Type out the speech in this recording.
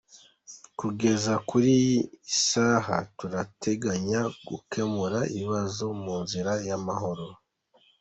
Kugeza kuri iyi saha turateganya gukemura ibibazo mu nzira y’amahoro.